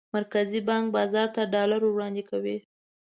مرکزي بانک بازار ته ډالر وړاندې کوي.